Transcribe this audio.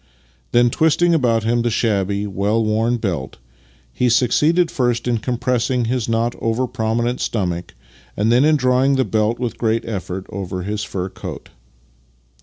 Then, twisting about him the shabby, well worn belt, he succeeded first in compressing his not over prominent stomach, and then in drawing the belt with a great effort over his fur coat.